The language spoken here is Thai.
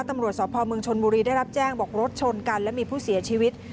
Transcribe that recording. ตำรวจสพเมืองชนบุรีได้รับแจ้งบอกรถชนกันและมีผู้เสียชีวิต